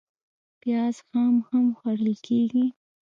پیاز خام هم خوړل کېږي